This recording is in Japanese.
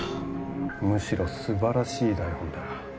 むしろ素晴らしい台本だ。